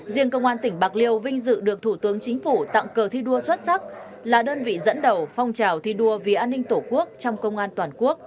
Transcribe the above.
riêng công an tỉnh bạc liêu vinh dự được thủ tướng chính phủ tặng cờ thi đua xuất sắc là đơn vị dẫn đầu phong trào thi đua vì an ninh tổ quốc trong công an toàn quốc